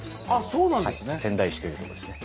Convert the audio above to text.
そうなんですね。